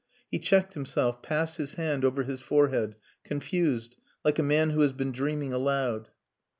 He checked himself, passed his hand over his forehead, confused, like a man who has been dreaming aloud.